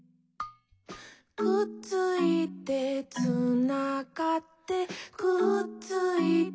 「くっついて」「つながって」「くっついて」